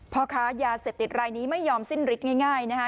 พ่อค้ายาเสพติดรายนี้ไม่ยอมสิ้นฤทธิง่ายนะคะ